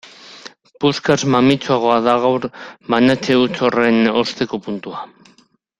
Puskaz mamitsuagoa da agur banatze huts horren osteko puntua.